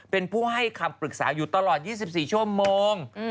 เป็นผู้ให้คำปรึกษาอยู่ตลอด๒๔ชั่วโมง